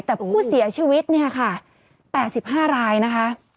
แต่ผู้เสียชีวิตเนี่ยค่ะ๘๕รายนะคะ